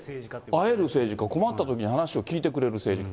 会える政治家、困ったときに話を聞いてくれる政治家。